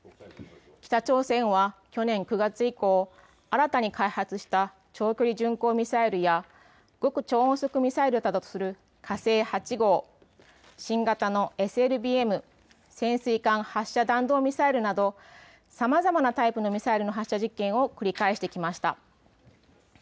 北朝鮮は去年９月以降、新たに開発した長距離巡航ミサイルや極超音速ミサイルだとする火星８号、新型のＳＬＢＭ・潜水艦発射弾道ミサイルなどさまざまなミサイルの発射実験を繰り返してきました。